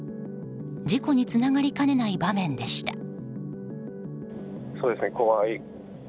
事故につながりかねない場面でした。